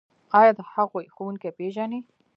ایا د هغوی ښوونکي پیژنئ؟